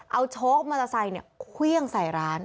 เอาโชคมอเตอร์ไซค์เครื่องใส่ร้าน